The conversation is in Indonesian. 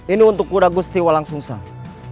ini untuk kuda gusti walangsungsang